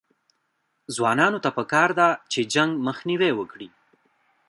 ځوانانو ته پکار ده چې، جنګ مخنیوی وکړي